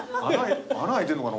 穴開いてんのかな